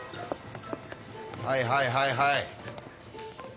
はいはいはいはい。